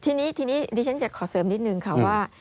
ทีนี้ทีนี้ดิฉันจะขอเสริมนิดนึงค่ะว่า